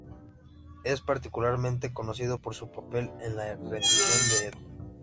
Es particularmente conocido por su papel en la rendición de Edo.